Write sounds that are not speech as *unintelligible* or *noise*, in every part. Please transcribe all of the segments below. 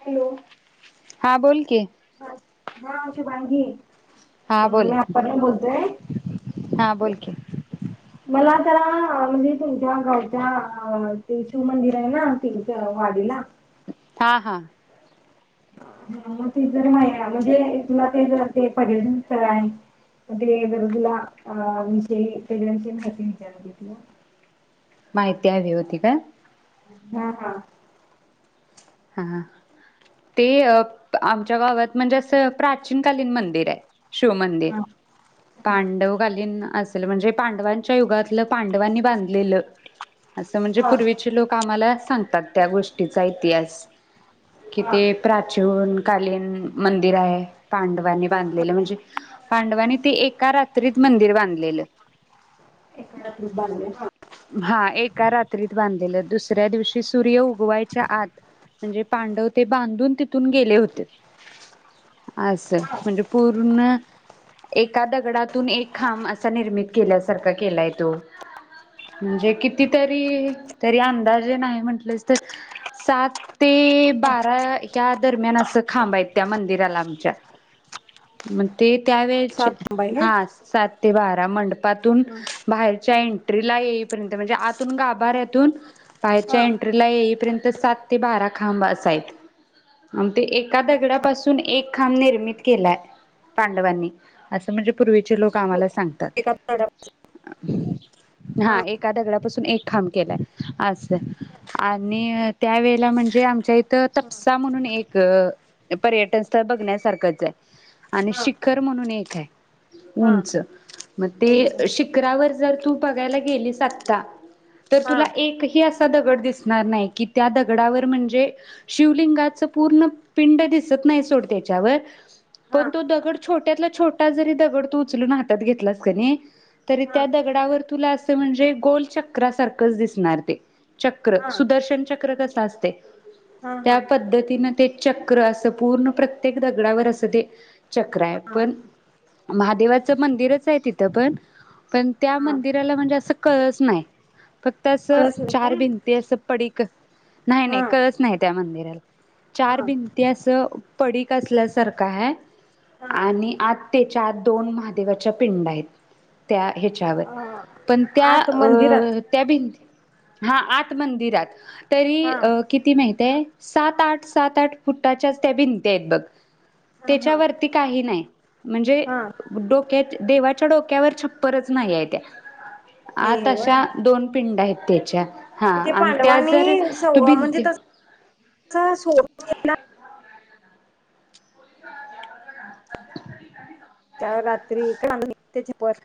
Hello हा बोल की. हा शुभांगी हा बोल मी अपर्णा बोलतेय. हा बोल की मला जरा म्हणजे तुमच्या गावच्या ते शिव मंदिर आहे ना ते वाडीला. आ हा. हा मग ते जर मा म्हणजे तुला ते जर ते पर्यटन स्थळ आहे, म ते जर तुला अ विषयी त्याच्याविषयी माहिती विचारते तुला. माहिती हवी होती काय. हा हा! हा ते आमच्या गावात म्हणजे असं प्राचीन कालीन मंदिर आहे. शिवमंदिर हा पांडवकालीन अस. म्हणजे पांडवांच्या युगातलं पांडवांनी बांधलेलं. असं म्हणजे हा पूर्वीचे लोक आम्हाला. सांगतात त्या गोष्टीचा इतिहास. कि हा ते प्राचुन कालीन मंदिर आहे. पांडव वानी बांधलेलं म्हणजे, पांडवांनी ती एका रात्रीत मंदिर बांधलेलं. एखादा बांधले हां एक का रात्रीत बांधलेलं दुसऱ्या दिवशी सूर्य उगवायच्या आत. म्हणजे पांडव ते बांधून तिथून गेले होते. आसं म्हणजे पूर्ण एका दगडातून एक खांब असा निर्मित केल्यासारखा केलाय तो. म्हणजे कितीतरी तरी अंदाजे नाही म्हटलेच तर सात ते बारा ह्या दरम्यान अस खांब आहेत त्या मंदिराला आमच्या. म ते त्यावेळचे सात बाई हां, आहेत सात ते बारा मंडपातून हा बाहेरच्या एंट्रीला येई पर्यंत म्हणजे आतून गाभाऱ्यातून बाहेच्या हा एंट्रीला येईपर्यंत त सात ते बारा खांब असायत. आण् ते एक का दगडापासून एक खांब निर्मित केलाय पांडवांनी. असं म्हणजे पूर्वीचे लोकं आम्हाला सांगतात. एका तळ्यात. हा हां, एका दगडापासून एक खांब. केलाय आसं. आणि, त्या वेळेला म्हणजे जे आमच्या इथं तपसा म्हणून एक पर्यटन स्थळ बघण्यासारखंच आय. आणि शिखर म्हणून एक हाय हा उंच. म ते कोणचं? अ शिखरावर जर तू बघायला गेलीस आत्ता तर हा तुला एकही अस् ता दगड दिसणार नाही की त्या दगडावर म्हणज् जे शिवलिंगाच पूर्ण पिंड दिसत नाही सोड त्याच्यावर, हा पण तो दगड छोट्यातला छोटा जरी दगड तू उचलून हातात घेतलास कनी, तरी हा त्या दगडावर तुला असं म्हणजे गोल चक्रासारखंच दिसणार ते चक्र. हा सुदर्शन चक्रच असं असतंय. हा त्या पद्धतीनं ते चक्र असं पूर्ण प्रत्येक दगडावर असं ते चक्र आय, हा पण महादेवाचं मंदिरच आहे तिथं पण पण, त्या हा मंदिराला म्हणजे असं कळस नाही. फक्त असं, कळस नाही चार काय भिंती असं पडीक नाही-नाही हा कळस नाही त्या मंदिराला. चार हा भिंती असं पडीक असल्यासारखा हाय, हा आणि आत त्येच्या दोन महादेवाच्या पिंड आहेत. त्या हेच्यावर अ पण त्या आत अ मंदिरात त्या भिंत् हां आत मंदिरात. तरी हा अ किती माहितय, सात-आठ, सात-आठ फुटाच्याच त्या भिंती आहेत बघ. हा हा तेच्यावरती काही नाही, म्हणजे हा डोक्यात देवाच्या डोक्यावर छप्परच नाहीआय त्या. आत नाही अशा व्हय दोन पिंड आहेत. तेच्या हा आणि त्या जर तू भिंतीत् अस सोडून् रात्री इकडं आणून निघ तेचे पर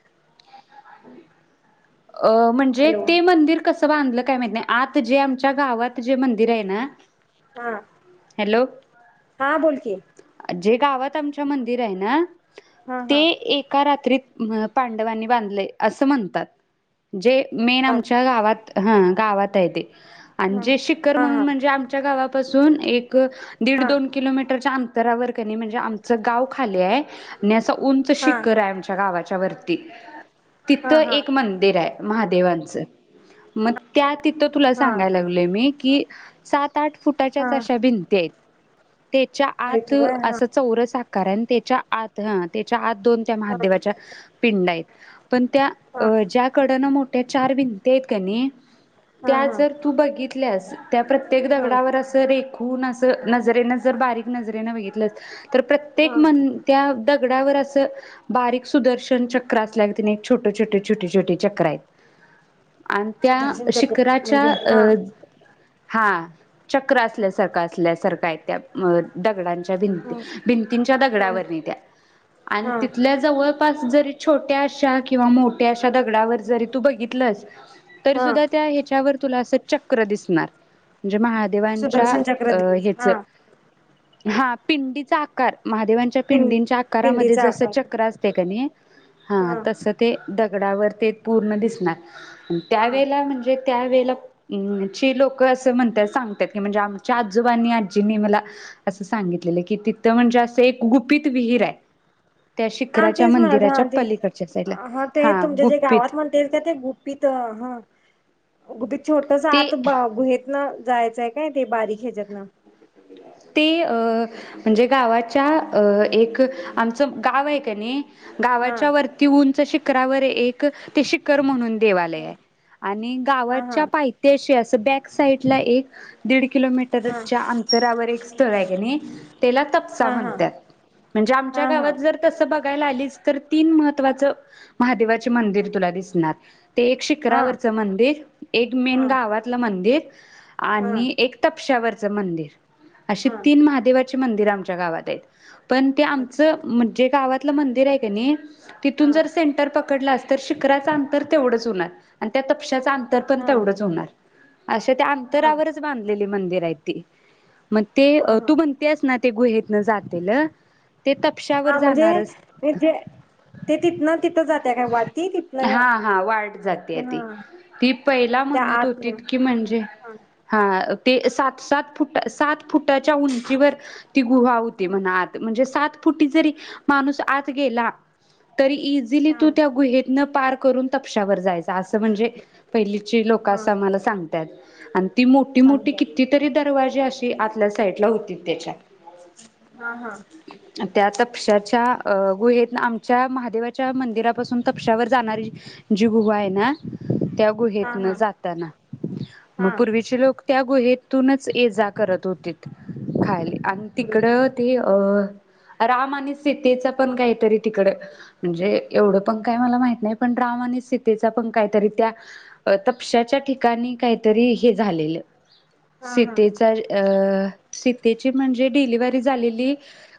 *inaudible* अ् म्हणजे हॅलो ते मंदिर कसं बांधलं? काय माहित नाही आत जे आमच्या गावात जे मंदिर आहे ना हं हॅलो हां बोल की जे गावात आमच्या मंदिर आहे ना हा ते हा एका रात्रीत अ पांडवांनी बांधलंय. असं म्हणतात. जे मेन बर आमच्या गावात हं गावात हाय ते आणि हा जे शिखर हा म्हणून म्हणजे आमच्या गावाव् पसून एक दिड, दोन किलोमीटरच्या अंत तरावर म्हणजे कनी आमचं गाव खाली हाय अस् उंच हा हा शिखर हाय आमच्या गावाच्या वर ती हा तिथं हा एक मंदिर हाय. महादेवांच मग त्यात तिथं तुला हा सांगाय लागलोय मी की सात साठ हा फुटाच्याच अश्या भिंती हाईत. तेच्या हायत आत व्हय हा असं चौरस आ कारण तेच्या आत ह तेच्या आत दोन त्या हा महादेवाच्या पिंड आहेत. पण त्या हा अ ज्याकडनं मो ते चार भिंती आहेत कणी त्या हा जर तू बघितल्यास त्या प्रत्येक हा दगडावर असं रे खून असं नजरेनं जर बारीक नजरेनं बघितलस तर प्रत्येक हा मन त्या दगडावर असं बारीक सुदर्शन चक्र असल्याग तिने छोटे छोटे, छोटे छोटे चक्र हाईत. आणि त्या सुदर्शन चक्र शिखराच्या म्हणजे हा अ हा. चक्र असल्यासारखं असल्यासारखं आहे त्या म दगडांच्या भिंती हा भिंतींच्या हा दगडावरनी त्या आणि हा तिथल्या जवळपास जरी छोट्या शा किंवा मोठ्या अशा दगडावर जरी तू बघितलंस. तरी हा सुद्धा त्या हेच्यावर तुला असं चक्र दिसणार. म्हणजे महादेवांच्या सुदर्शन चक्र अ देईल हेच हा हा पिंडीचा आकार महादेवांच्या पिं पिंडींच्या आकारामध्ये पिंडीचा जसं आकार चक्र असतय कनी हा तस. दगडावर ते पूर्ण दिसणार. अन हा त्यावेळेला म्हणजे त्या वेळेला अ ची लोक असं म्हणतात सांगतात की म्हणजे आमच्या आजोबांनी आजींनी मला असं सांगितलेलं की तिथं म्हणजे असं एक गुपित विहीर हाय. त्या हा शिखरच्या तेच म्हणाले हा मंदिराच्या ते पलीकडच्या साईडला. हा ते तुमच्या जे गावात म्हणता ये का ते गुपित हं गुपित छोटस आत ते बा गुहेत न जायचंय काय ते बारीक हेच्यातन ते अ म्हणजे गावाच्या अ एक आमचं गाव आहे कनी हा गावाच्या वरती उंच शि - - शिकरावर एक ते शिखर म्हणून देवालय हा हाय आणि हा गावाच्या पाहित्याशी असं अस बॅक साईटला एक दिड हा किलोमीटरच्यां आंत अंतरावर एक स्थळ हाय कनी तेला तपसा हा हा म्हणत्यात म्हणजे आमच्या हा गावात जर तस बघ काय *unintelligible* तीन महत्वाचं महादेव हाइत. मंदिर तुला दिसणार ते एक हा हा शिखरावरच मंदिर. एक मेन हा गावातलं मंदिर. हा आणि एक तपशावर चं मंदिर अशी हा हा तीन महादेवाचे मंदिर आमच्या गावात हाइत. पण ते आमचं म्हणजे गावात तिथलं मंदिर आहे कनी हा तिथून जर सेंटर पकडलास. तर शिखराचा अंतर तेवढच होणार त्या तपशचां अंतर अंतर पण हा तेवढंच होणार अस ते हा अंतरावरच बांधलेली मंदिर आहेत. ते मग ते हा तू म्हणतेस ना ते गुहेत तितन जातेल. ते तपशावर हा म्हणजे जाणारस ते तिथनं तिथं जाते काय वाटती तिथनं हा हा वाट जातेय ती हा ती पहिला त्या म्हणत आत होती की म्हणजे हा हा ते सात सात फुट सात त्याच्या उंचीवर ती गुहा होती म्हणा आत म्हणजे सात कुठे जरी माणूस आत गेला? तरी इझिली हा तू त्या गुहेतन पार् करून तपश्यावर जायच. असं म्हणजे पहिलीची लोक हा असं आम्हाला सांगत्यात आ ती मोठी मोठी सांगत्यात कितीतरी दरवाजे अस ती आतल्या साईडला होतीत त्याच्या हा हा त्या तपशाच्या गुहेेत आमच्या महादेवाच्या मंदिरापासून तपशावर जाणारी जी गुहा आहे ना त्या त्या हा हा गुहेतन जाताना मग हा पूर्वीचे लोक त्या गुहेतूनच ये जात. करत होतीत खायले. आणि पुरुष तिकडं ते अ राम आणि सीतेचा पण काहीतरी तिकड म्हणजे एवढं पण काय मला माहित नाही पण राम आणि सीतेचा पण काहीतरी त्या तपशाच्या ठिकाणी काहीतरी हे झालेलं. हा हा सीतेचा अ सीतेची म्हणजे डिलिवरी झालेली.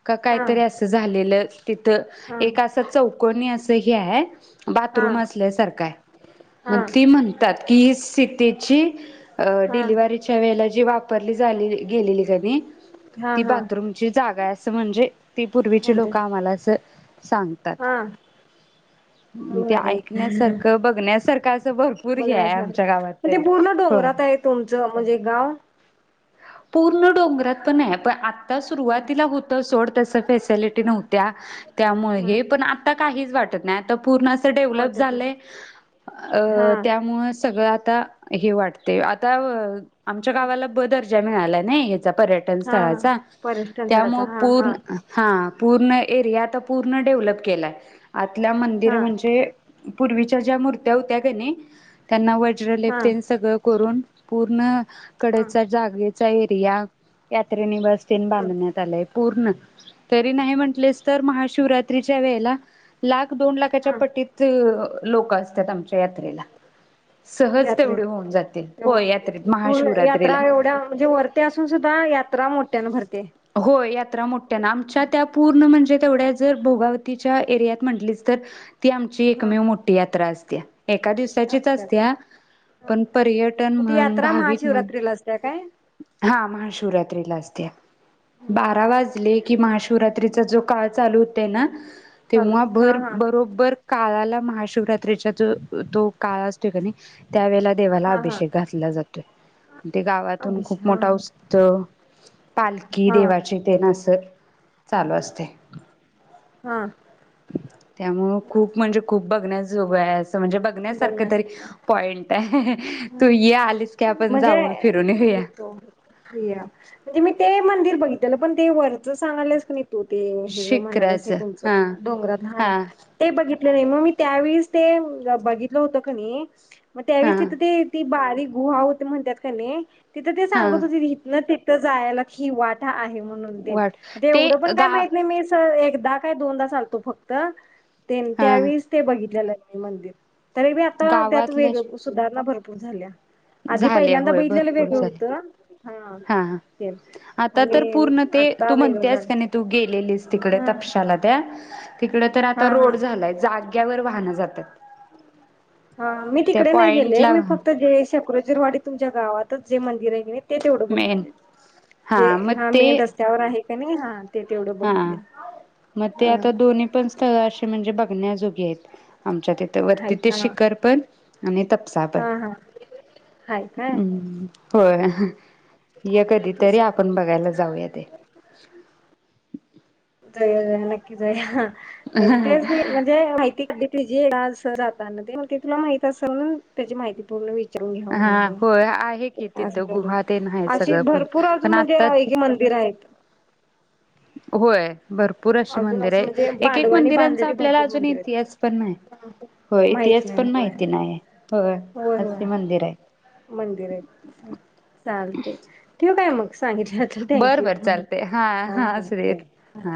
का हा हा काहीतरी असं झालेलं तिथं एक हा असं चौकोनी अस हे हाय बाथरूम असल्यासारख हाय हा मग ती म्हणतात की, सीतेची आ हा डिलिव्हरीच्या वेळेला जी वाप- पल्ली झालेली गेलेली कणी हा ती हा बाथरूमची जागा आहे असं म्हणजे ती पूर्वीची म्हणते लोकं आम्हाला अस सांगतात हा मग ते भारी आहे ऐकण्यासारखं बघण्यासारखं असं भरपूर हे बघण्यासारखं आमच्या गावात मग ते तरी पूर्ण होय. डोंगरात आहे तुमचं म्हणजे गाव पूर्ण डोंगरात पण नाही पण आत हा सुरुवातीला होत सोड तस फेस लिटी नव्हत्या त्यामुळे हा हे पण आता काहीच वाट उठत नाही तब पूर्ण अस डेव्हलप मोठे झालंय. अ हा त्यामुळे सगळ आता हे वाटते आता अ आमच्या गावाला दर्जा मिळालाय नई पर्यटन हा हा स्थळाचा पर्यटन स्थळाचा त्यामुळे हा हा पूर्ण हा पूर्ण एरिया आता पूर्ण डेव्हलप केलाय. आतल्या मंदिर हा म्हणजे पूर्वीच्या ज्या मूर्त्या होत्या कणी त्यांना व हा *unintelligible* सगळं करून पूर्ण हा कडेचा जागेचा एरिया यात्रेने बस बांधण्यात आलंय पूर्ण. तरी नाही म्हणलीस तर महाशिवरात्रीच्या वेळेला लाख दोन लाखाच्या हा पटीत लोक असतात आमच्या यात्रेला. सहज यात्रेत तेवढे होऊन जातील. हो तेवढी यात्रेत पूर्ण महाशिवरात्रीला यात्रा एवढ्या म्हणजे वरती असून सुद्धा यात्रा मोठ्यान भर होय या यात्रा मो आमच्या त्या पूर्ण म्हणजे तेवढ्या जर भोगावतीच्या एरियात म्हटलीस तर ती आमची हा एकमेव मोठी यात्रा अस त्या एका दिवसाचीच असत्या. पण पर्यटन मग ती म्हण, यात्रा भाविक म्हण महाशिवरात्रीला असत्या काय हा महाशिवरात्रीला असत्या. हं बारा हं वाजले की महाशिवरात्रीचा जो काळ चालू होतय ना तेव्हा चालेल भर हां हां बरोबर काळाला महाशिवरात्रीचा जो तो काळ असतोय की नाय त्यावेळेला देवाला हां हां अभिषेक घातला जातोय ते गावातून खूप अभिषेक हां मोठा उत्सव ताल गी हां देे वाची तेन असल चालू असते हां त्यामुळ खूप म्हणजे खूप बघण्या जोग आहे आज त म्हणजे बघण्यासारखं तरी पॉईंट आहे तू ये आलीस की आपण म्हणजे जाऊन फिरून येऊया. येतो प्रिया म्हणजे मी ते मंदिर बघि त्याला पण ते वरचं सांगआल्यास की नी तू ते हेज म्हणाल्यास काय शिखराचं तुमचं हा डोंगरात हा ते बघित ने मग मी त्यावेळीस ते बघितलं होत कनी मग त्यावेळीच हा किती बारीक गुहा होतं हणत्यात कनी तिथं ते हा सांगत होती हित ना ते तर जायला की ही वाटा आहे म्हणून देइल वाट ते एवढं पण काय गा माहित नाही मी तर एकदा काय दोनदा चालतो फक्त तेन ते हा त्यावेळीस ते बघितलेला आहे. मंदिर तरी बी आता त्यात गावातलं वेगळ गुश ना भरपूर झाल्या आधी झाले पहिल्यांदा होय बघितलेलं भरपूर वेगळं झाले होतं हा ते आता तर आणि पूर्ण ते आता तू वेगळं म्हणतेस झालं काय नाही तू गेलेलीस तिकडे हा तपशाला त्या तिकडे तर आता हा हा रोड झाला आहे, जाग्यावर वाहन जात तक हा मी तिकडे नाही गेले मी फक्त ज सक्रोजरवाडी तुमच्या गावात त जे मंदिर आहे की नाय ते तेवढं बघ, मेन जे मग हा ते मेन रस्त्यावर आहे पे नाही हा ते तेवढं हा बघितले म ते हा आता दोन्ही पण स्थळ अशी म्हणजे बघण्याजो गीयेत आमच्या तिथं वरती हायत ते हा शिखर पण आणि तपसा पण हा हा हाय काय उ होय, ये कधी तरी तेच आपण बघायला जाऊया ते जाऊया नक्की जाऊया हा पण तेच मी म्हणजे माहिती *unintelligible* ते जे आस जाताना ते मी ते तुला माहित असल म्हणून तेजी माहिती पूर्ण वि हा होय आहे की तिथं गुहा तेन आहे *unintelligible* अशी सगळं पण भरपूर अजून पण म्हणजे आता एक मंदिर आहेत. होय. भरपूर अशी अजून मंदिर असं आय म्हणजे एक एक पांडवांनी मंदिरांचा बांधलेली आपल्याला भरपूर अजून मंदिर इतिहास पण न्हाय आहेत. होय माहित इतिहास नाही पण होय माहिती नाय, होय असि मंदिर आयत. मंदिर आहेत. चालते ठेवू काय मग सांगितल्याबद्दल बर थँक्यू. बर चालते हा हा असूदेत हा